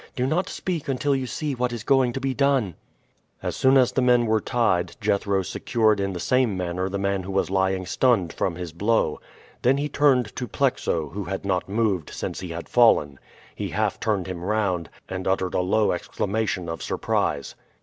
Do not speak until you see what is going to be done." As soon as the men were tied Jethro secured in the same manner the man who was lying stunned from his blow. Then he turned to Plexo, who had not moved since he had fallen. He half turned him round, and uttered a low exclamation of surprise.